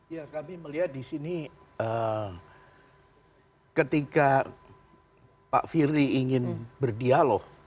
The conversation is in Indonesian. ya kami melihat di sini ketika pak firly ingin berdialog